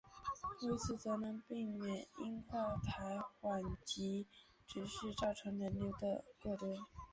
如此则能避免因跨月台缓急接续而造成人流过多。